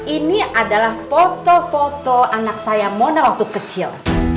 ini adalah foto foto anak saya mona waktu kecil